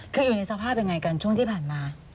คืออยู่ในสภาพยังไงกันช่วงที่ผ่านมา